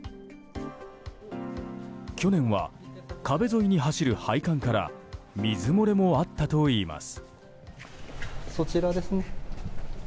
去年は壁沿いに走る配管から水漏れもあったといいます。